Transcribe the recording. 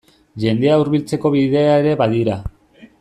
Jendea hurbiltzeko bidea ere badira.